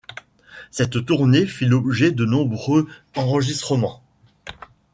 Cette tournée fit l'objet de nombreux enregistrements.